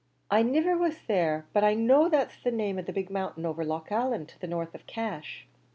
"I niver was there, but I know that's the name of the big mountain over Loch Allen, to the north of Cash."